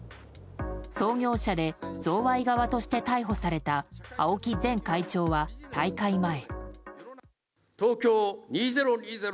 創業者で贈賄側として逮捕された青木前会長は大会前。